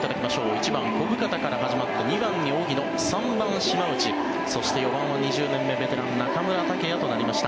１番、小深田から始まって２番に荻野３番、島内そして、４番は２０年目のベテラン中村剛也となりました。